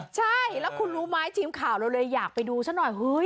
แล้วคุณรู้ไหมทีมข่าวเราเลยจะอยากไปดูซะหน่อย